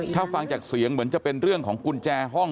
ถ้าฟังจากเสียงเหมือนจะเป็นเรื่องของกุญแจห้อง